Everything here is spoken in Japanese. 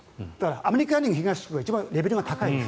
アメリカン・リーグ東地区は一番レベルは高いです。